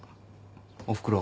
おふくろ。